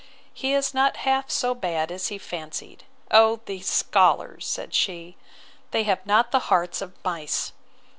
He is not half so bad as he fancied. O these scholars, said she, they have not the hearts of mice!